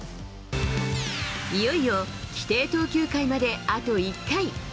いよいよ規定投球回まであと１回。